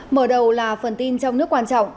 mở đầu là phần tin trong nước quan trọng